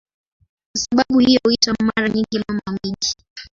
Kwa sababu hiyo huitwa mara nyingi "Mama wa miji".